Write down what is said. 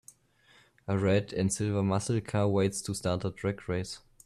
A red and silver muscle car, waits to start a drag race.